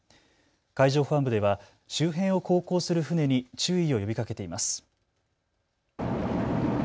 海上保安部では周辺を航行する船に注意を呼びかけています。